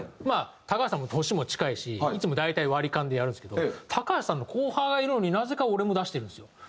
まあ高橋さんも年も近いしいつも大体割り勘でやるんですけど高橋さんの後輩なのになぜか俺も出してるんですよ。